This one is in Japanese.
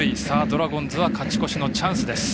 ドラゴンズは勝ち越しのチャンス。